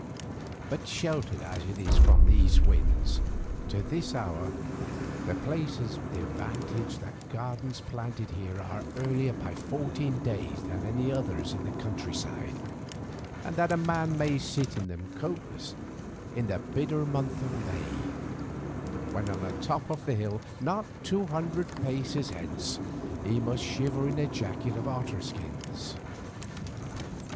But sheltered as it is from the east winds, to this hour the place has the advantage that gardens planted here are earlier by fourteen days than any others in the country side, and that a man may sit in them coatless in the bitter month of May, when on the top of the hill, not two hundred paces hence, he must shiver in a jacket of otterskins.